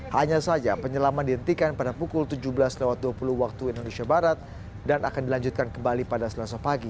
hanya saja penyelaman dihentikan pada pukul tujuh belas dua puluh waktu indonesia barat dan akan dilanjutkan kembali pada selasa pagi